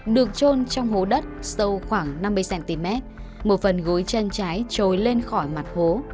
được trôn trong hố đất sâu khoảng năm mươi cm một phần gối chân trái trồi lên khỏi mặt hố